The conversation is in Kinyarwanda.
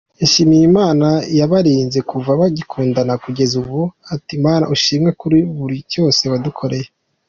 Yashimye Imana yabarinze kuva bagikundana kugeza ubu, ati "Mana ushimwe kuri buri cyose wadukoreye.